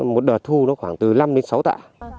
một đợt thu nó khoảng từ năm đến sáu tạ